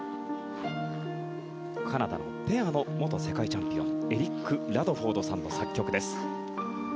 カナダのペアの元世界チャンピオンエリック・ラドフォードさんの作曲です。